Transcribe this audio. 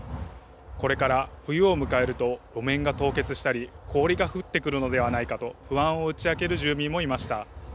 これから冬を迎えると路面が凍結したり、氷が降ってくるのではないかと不安を打ち明ける住民もいました。